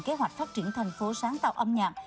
kế hoạch phát triển thành phố sáng tạo âm nhạc